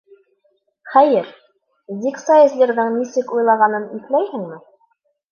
Хәйер, Дик Сайзлерҙың нисек уйнағанын иҫләйһеңме?